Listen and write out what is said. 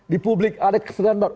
di publik ada kesadaran baru